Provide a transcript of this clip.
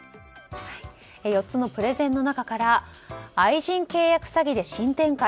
４つのプレゼンの中から愛人契約詐欺で新展開。